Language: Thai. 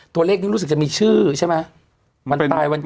ตัวเลขนี้รู้สึกจะมีชื่อใช่ไหมวันตายวันเกิด